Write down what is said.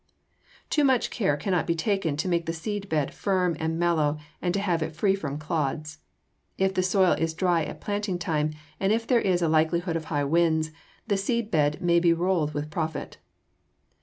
Too much care cannot be taken to make the seed bed firm and mellow and to have it free from clods. If the soil is dry at planting time and there is likelihood of high winds, the seed bed may be rolled with profit.